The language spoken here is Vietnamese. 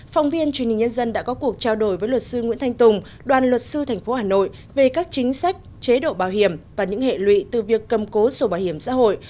phóng viên truyền hình nhân dân đã có cuộc trao đổi với luật sư nguyễn thanh tùng đoàn luật sư tp hà nội về các chính sách chế độ bảo hiểm và những hệ lụy từ việc cầm cố sổ bảo hiểm xã hội